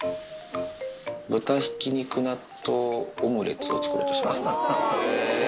豚ひき肉納豆オムレツを作ろうとしてますね。